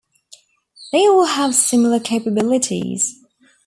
They all have similar capabilities.